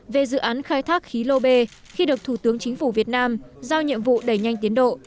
về dự án khai thác khí lô bê khi được thủ tướng chính phủ việt nam giao nhiệm vụ đẩy nhanh tiến độ